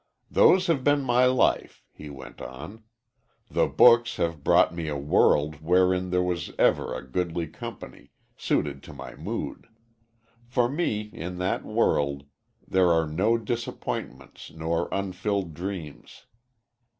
"Those have been my life," he went on. "The books have brought me a world wherein there was ever a goodly company, suited to my mood. For me, in that world, there are no disappointments nor unfulfilled dreams.